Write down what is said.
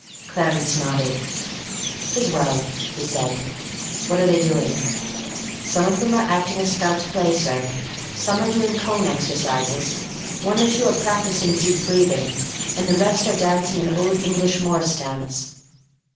Clarence nodded. "'Tis well," he said. "What are they doing?" "Some of them are acting a Scout's play, sir; some are doing Cone Exercises; one or two are practising deep breathing; and the rest are dancing an Old English Morris Dance."